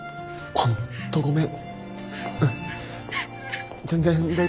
本当ごめん。